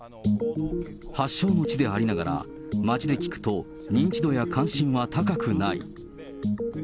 発祥の地でありながら、街で聞くと、認知度や関心は高くない。